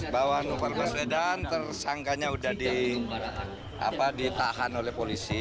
bahwa novel baswedan tersangkanya sudah ditahan oleh polisi